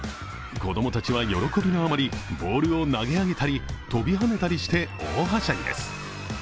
子供たちは喜びのあまりボールを投げ上げたり飛び跳ねたりして、大はしゃぎです。